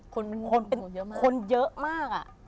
คนเยอะมากอะ